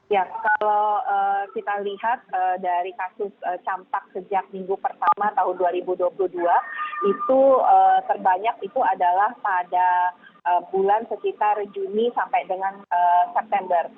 ya kalau kita lihat dari kasus campak sejak minggu pertama tahun dua ribu dua puluh dua itu terbanyak itu adalah pada bulan sekitar juni sampai dengan september